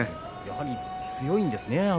やはり強いんですね